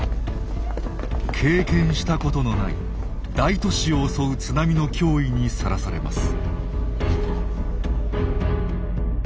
経験したことのない大都市を襲う津波の脅威にさらされます。